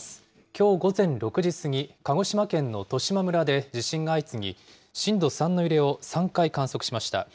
きょう午前６時過ぎ、鹿児島県の十島村で地震が相次ぎ、震度３の揺れを３回観測しました。